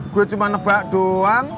gue cuma nebak doang